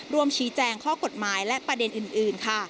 ร่วมชี้แจงข้อกฎหมายและประเด็นอื่นค่ะ